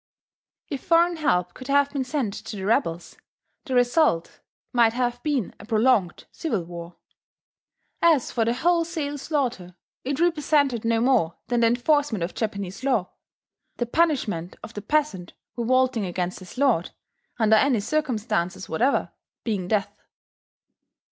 If foreign help could have been sent to the rebels, the result might have been a prolonged civil war. As for the wholesale slaughter, it represented no more than the enforcement of Japanese law: the punishment of the peasant revolting against his lord, under any circumstances whatever, being death.